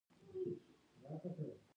د امریکا له متحده ایالاتو سره یوځای